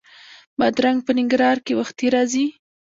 بادرنګ په ننګرهار کې وختي راځي